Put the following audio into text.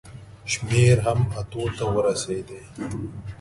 شمېر هم اتو ته ورسېدی.